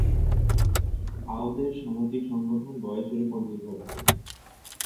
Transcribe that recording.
অওদের সামাজিক সংগঠন বয়সের ওপর নির্ভর করে।